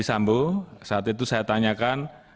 sambo saat itu saya tanyakan